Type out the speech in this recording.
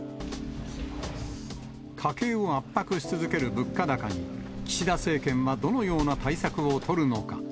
家計を圧迫し続ける物価高に、岸田政権はどのような対策を取るのか。